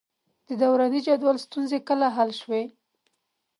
د دوراني جدول ستونزې کله حل شوې؟